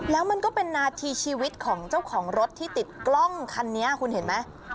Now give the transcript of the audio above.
แล้วมันก็เป็นนาทีชีวิตของเจ้าของรถที่ติดกล้องคันนี้คุณเห็นไหม